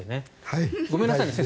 ごめんなさいね、先生